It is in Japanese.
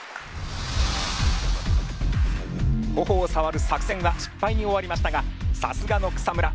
頬をさわる作戦は失敗に終わりましたがさすがの草村。